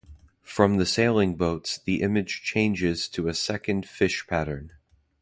From the sailing boats the image changes to a second fish pattern.